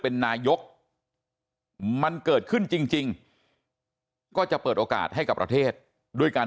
เป็นนายกมันเกิดขึ้นจริงก็จะเปิดโอกาสให้กับประเทศด้วยการ